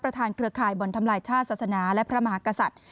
เครือข่ายบ่อนทำลายชาติศาสนาและพระมหากษัตริย์